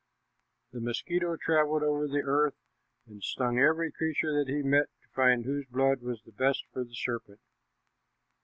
The mosquito traveled over the earth and stung every creature that he met to find whose blood was the best for the serpent.